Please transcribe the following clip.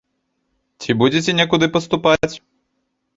Ці будзеце некуды паступаць?